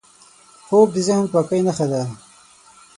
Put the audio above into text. خوب د ذهن پاکۍ نښه ده